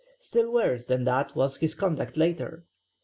Still worse than that was his conduct later.